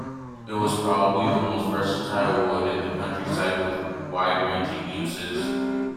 It was probably the most versatile wood in the countryside with wide-ranging uses.